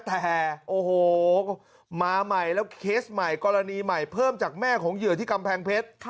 แต่โอ้โหมาใหม่แล้วเคสใหม่กรณีใหม่เพิ่มจากแม่ของเหยื่อที่กำแพงเพชร